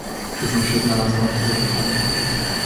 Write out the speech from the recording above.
"„Czy znów się odnalazła?“ zapytałem."